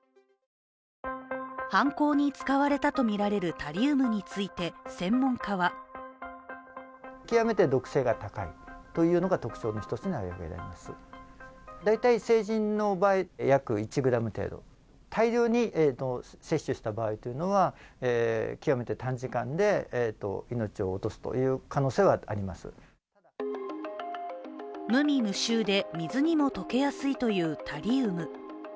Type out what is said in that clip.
犯行に使われたとみられるタリウムについて、専門家は無味無臭で水にも溶けやすいというタリウム。